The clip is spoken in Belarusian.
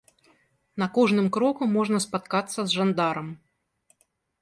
На кожным кроку можна спаткацца з жандарам.